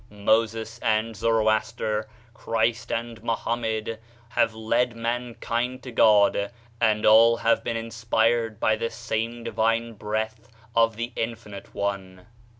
Moses and Zoroaster, Christ and Mohammed have led mankind to God, and all have been inspired by the same divine breath of the Infinite One.